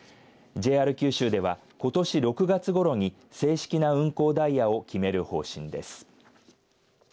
ＪＲ九州ではことし６月ごろに正式な運行ダイヤを決める方針です。